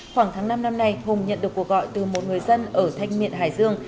khoảng tháng năm năm nay hùng nhận được cuộc gọi từ một người dân ở thanh miện hải dương